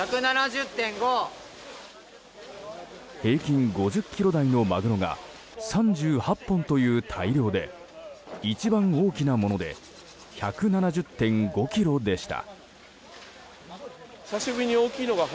平均５０ｋｇ台のマグロが３８本という大漁で一番大きなもので１７０．５ｋｇでした。